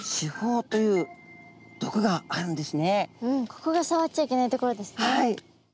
ここがさわっちゃいけないところですね。